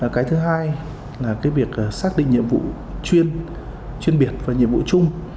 cái thứ hai việc xác định nhiệm vụ chuyên biệt và nhiệm vụ chung